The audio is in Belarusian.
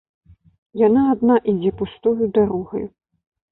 Яна адна ідзе пустою дарогаю.